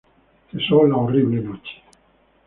Cesó la horrible noche!